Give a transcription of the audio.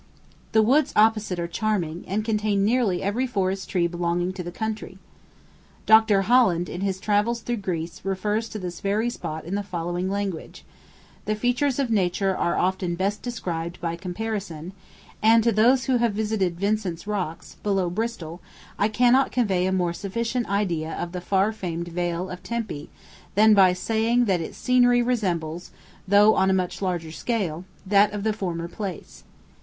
The woods opposite are charming, and contain nearly every forest tree belonging to the country. Dr. Holland, in his travels through Greece, refers to this very spot in the following language: "The features of nature are often best described by comparison; and to those who have visited Vincent's Rocks, below Bristol, I cannot convey a more sufficient idea of the far famed Vale of Tempe than by saying that its scenery resembles, though on a much larger scale, that of the former place.